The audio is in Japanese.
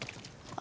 あ。